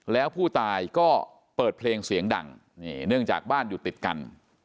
แล้วผู้ตายก็เปิดเพลงเสียงดังเนื่องจากบ้านอยู่ติดกัน